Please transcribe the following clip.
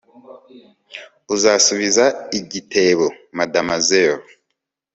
Uzasubiza igitebo Mademoiselle